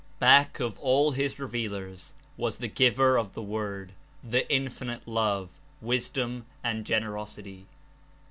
Back of all his Revealers was the Giver of the Word, the Infinite Love, Wisdom and Generosity.